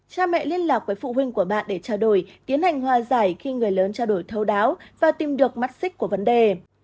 cha mẹ liên lạc với phụ huynh của bạn để trao đổi tiến hành hòa giải khi người lớn trao đổi thấu đáo và tìm được mắt xích của vấn đề